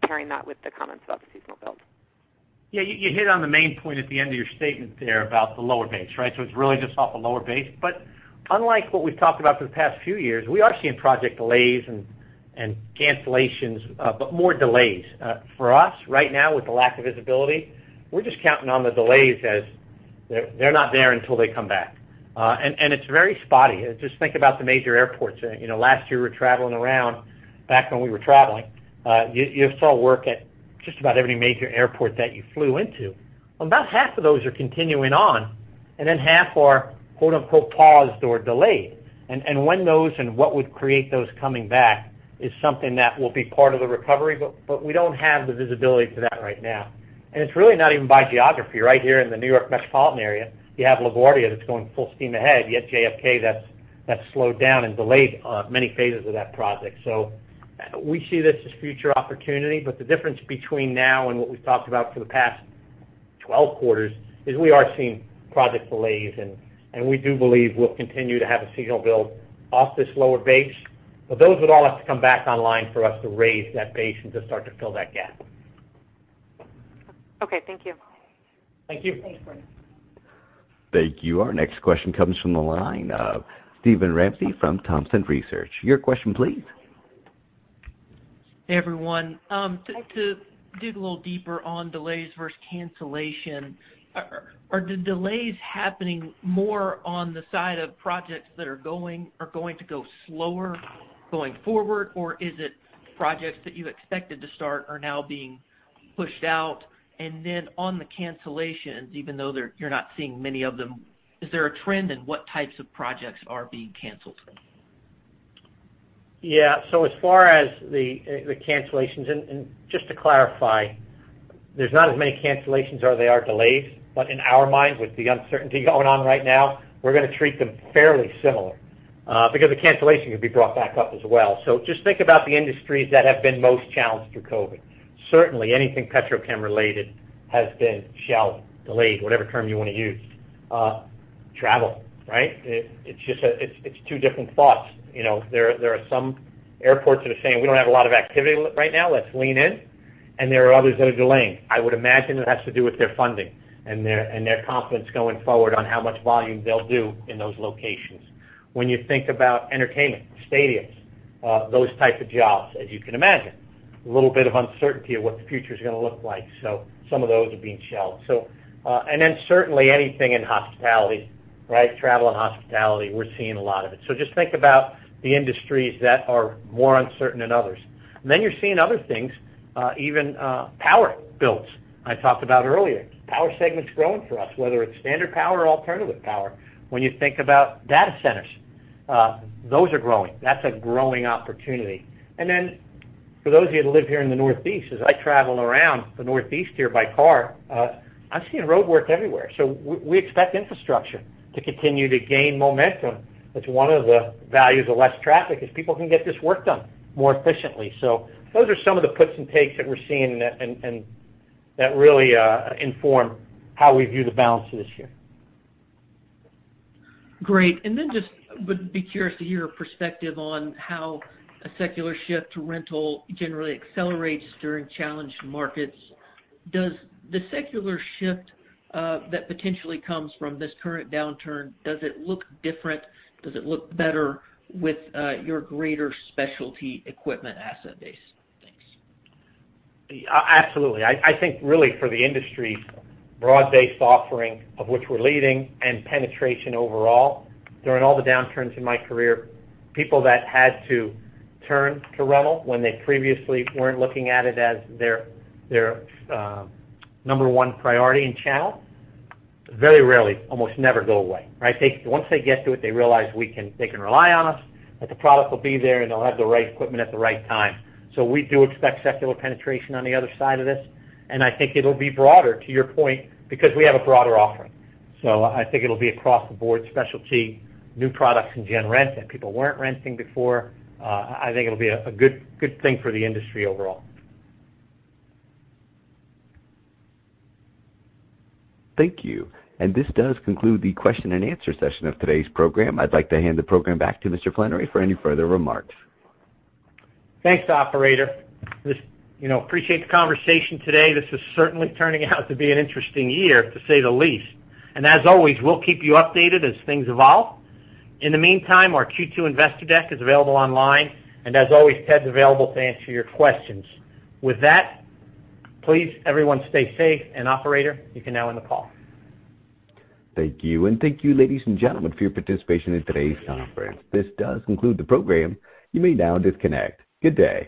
pairing that with the comments about the seasonal build. Yeah, you hit on the main point at the end of your statement there about the lower base, right? It's really just off a lower base. Unlike what we've talked about for the past few years, we are seeing project delays and cancellations, but more delays than cancellations. For us right now with the lack of visibility, we're just counting on the delays as they're not there until they come back. It's very spotty. Just think about the major airports. Last year we were traveling around; back when we were traveling, you saw work at just about every major airport that you flew into. Well, about half of those are continuing on; half are, quote-unquote, "paused or delayed." When those and what would create those coming back is something that will be part of the recovery, but we don't have the visibility for that right now. It's really not even by geography. Right here in the New York metropolitan area, you have LaGuardia that's going full steam ahead. You have JFK that's slowed down and delayed many phases of that project. We see this as a future opportunity, but the difference between now and what we've talked about for the past 12 quarters is we are seeing project delays, and we do believe we'll continue to have a seasonal build-off this lower base. Those would all have to come back online for us to raise that base and to start to fill that gap. Okay, thank you. Thank you. Thanks, Courtney. Thank you. Our next question comes from the line of Steven Ramsey from Thompson Research. Your question, please. Hey, everyone. To dig a little deeper on delays versus cancellation, are the delays happening more on the side of projects that are going to go slower going forward? Or is it projects that you expected to start are now being pushed out? On the cancellations, even though you're not seeing many of them, is there a trend in what types of projects are being canceled? Yeah. As far as the cancellations, and just to clarify, there are not as many cancellations as there are delays. In our minds, with the uncertainty going on right now, we're going to treat them fairly similarly, because a cancellation could be brought back up as well. Just think about the industries that have been most challenged through COVID. Certainly anything petrochem-related has been shelved, delayed, or whatever term you want to use. Travel. It's two different thoughts. There are some airports that are saying, "We don't have a lot of activity right now. Let's lean in." There are others that are delaying. I would imagine it has to do with their funding and their confidence going forward on how much volume they'll do in those locations. When you think about entertainment, stadiums, and those types of jobs, as you can imagine, there's a little bit of uncertainty of what the future's going to look like. Some of those are being shelved. Certainly anything in hospitality. Travel and hospitality—we're seeing a lot of it. Just think about the industries that are more uncertain than others. You're seeing other things, even power builds I talked about earlier. Power segment's growing for us, whether it's standard power or alternative power. When you think about data centers, those are growing. That's a growing opportunity. For those of you that live here in the Northeast, as I travel around the Northeast here by car, I'm seeing roadwork everywhere. We expect infrastructure to continue to gain momentum. It's one of the values of less traffic: people can get this work done more efficiently. Those are some of the puts and takes that we're seeing and that really inform how we view the balance of this year. Great. I would just be curious to hear your perspective on how a secular shift to rental generally accelerates during challenged markets. Does the secular shift that potentially comes from this current downturn look different? Does it look better with your greater specialty equipment asset base? Thanks. Absolutely. I think really for the industry, a broad-based offering of which we're leading and penetration overall, during all the downturns in my career, people that had to turn to rental when they previously weren't looking at it as their number one priority and channel very rarely, almost never, go away. Once they get to it, they realize they can rely on us, that the product will be there, and they'll have the right equipment at the right time. We do expect secular penetration on the other side of this, and I think it'll be broader, to your point, because we have a broader offering. I think it'll be across the board, especially new products in general rent that people weren't renting before. I think it'll be a good thing for the industry overall. Thank you. This does conclude the question and answer session of today's program. I would like to hand the program back to Mr. Flannery for any further remarks. Thanks, operator. Just appreciate the conversation today. This is certainly turning out to be an interesting year, to say the least. As always, we'll keep you updated as things evolve. In the meantime, our Q2 investor deck is available online, and as always, Ted's available to answer your questions. With that, please, everyone, stay safe, and, operator, you can now end the call. Thank you. Thank you, ladies and gentlemen, for your participation in today's conference. This does conclude the program. You may now disconnect. Good day.